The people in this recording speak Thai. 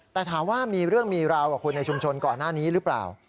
แต่ถามว่ามีเรื่องมีราวกับคนในชุมชนก่อนหน้านี้หรือเปล่า